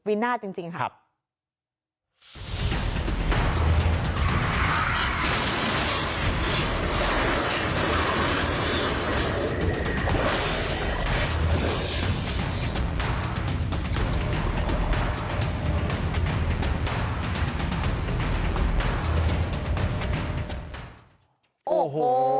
โอ้โหวินาทจริงจริงครับคุณผู้ชมมันเก่งเสร็จแล้วหลังจากนั้นอีกหกคันค่ะ